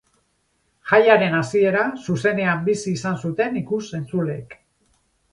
Jaiaren hasiera zuzenean bizi izan zuten ikus-entzuleek.